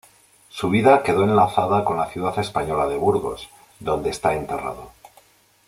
Su vida quedó enlazada con la ciudad española de Burgos, donde está enterrado.